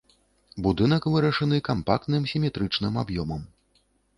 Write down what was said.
Будынак вырашаны кампактным сіметрычным аб'ёмам.